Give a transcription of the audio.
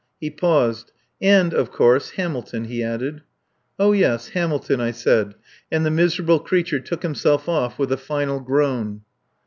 He paused. And, of course, Hamilton, he added. "Oh, yes! Hamilton," I said, and the miserable creature took himself off with a final groan.